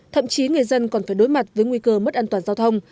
thậm chí người dân còn phải đối mặt với nguy cơ mất an toàn giao thông